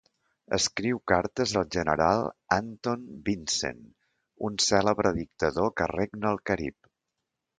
Escriu cartes al general Anton Vincent, un cèlebre dictador que regna al Carib.